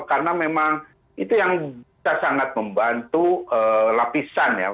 karena memang itu yang bisa sangat membantu lapisan ya